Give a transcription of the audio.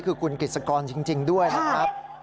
คือคุณกิจสกรจริงด้วยนะครับ